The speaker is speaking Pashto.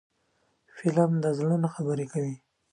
فلم د زړونو خبرې کوي